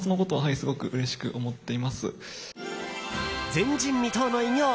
前人未到の偉業！